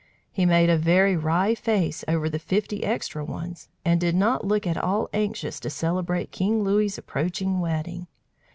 He made a very wry face over the fifty extra ones, and did not look at all anxious to celebrate King Louis's approaching wedding.